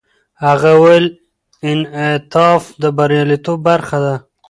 هغه وویل، انعطاف د بریالیتوب برخه ده.